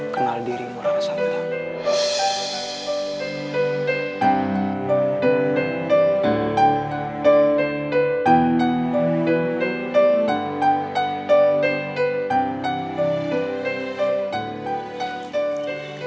kenal dirimu rasulullah